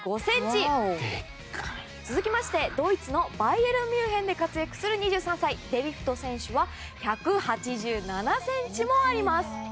続いて、ドイツのバイエルン・ミュンヘンで活躍する２３歳、デリフト選手は１８７ｃｍもあります。